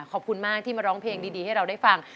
ขอบคุณมากที่มาร้องเพลงดีให้เราได้ฟัง